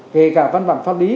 kể cả văn bản pháp lý